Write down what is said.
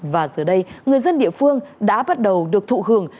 và giờ đây người dân địa phương đã bắt đầu được thụ hưởng